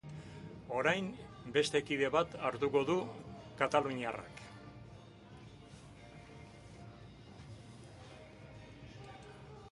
Orain, beste bide bt hartuko du kataluniarrak.